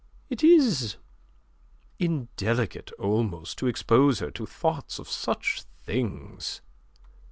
It is... indelicate almost to expose her to thoughts of such things."